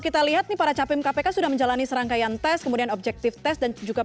kita lihat nih para capim kpk sudah menjalani serangkaian tes kemudian objektif tes dan juga